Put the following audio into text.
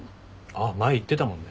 あっ前言ってたもんね。